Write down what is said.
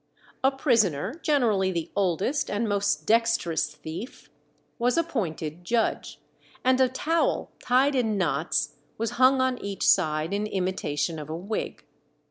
A prisoner, generally the oldest and most dexterous thief, was appointed judge, and a towel tied in knots was hung on each side in imitation of a wig.